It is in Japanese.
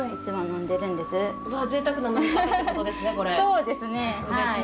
そうですねはい。